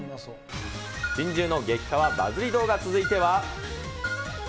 珍獣の激かわバズり動画、続いては。